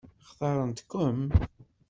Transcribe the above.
Xtaṛent-kem?